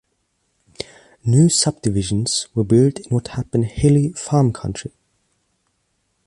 New subdivisions were built in what had been hilly farm country.